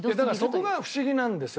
そこがフシギなんですよ